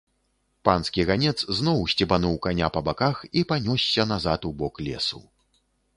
Панскі ганец зноў сцебануў каня па баках і панёсся назад у бок лесу.